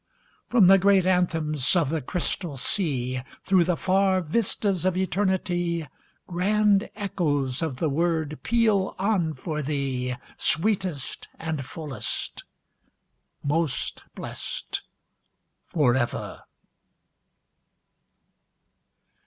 From the great anthems of the Crystal Sea, Through the far vistas of Eternity, Grand echoes of the word peal on for thee, Sweetest and fullest: 'Most blessed for ever.'